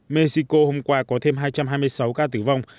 mexico hôm qua có thêm hai trăm hai mươi sáu ca tử vong